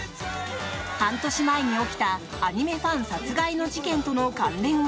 半年前に起きたアニメファン殺害の事件との関連は？